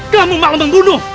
kamu malah membunuh